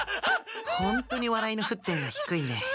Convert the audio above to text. ホントに笑いの沸点が低いね。